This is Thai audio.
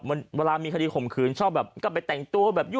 เวลามีคดีข่มขืนชอบแบบก็ไปแต่งตัวแบบนี้